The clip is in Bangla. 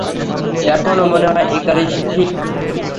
এখনো মনে হয় ইকারিস ঠিক।